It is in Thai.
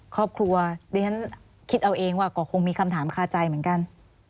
ครอบครัวดิฉันคิดเอาเองว่าก็คงมีคำถามคาใจเหมือนกัน